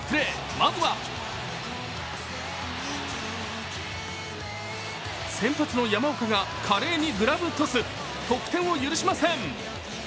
まずは先発の山岡が華麗にグラブトス、得点を許しません。